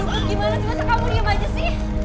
aduh gimana sih masa kamu diam aja sih